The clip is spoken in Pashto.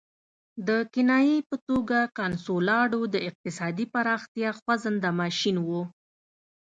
د کنایې په توګه کنسولاډو د اقتصادي پراختیا خوځنده ماشین وو.